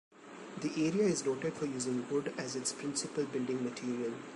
The area is noted for using wood as its principal building material.